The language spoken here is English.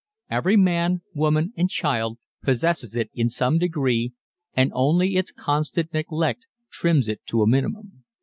Every man, woman and child possesses it in some degree and only its constant neglect trims it to a minimum.